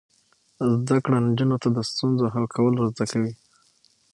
زده کړه نجونو ته د ستونزو حل کول ور زده کوي.